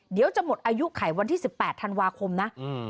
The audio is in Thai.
เดี๋ยวจะหมดอายุไขวันที่๑๘ธันวาคมนะ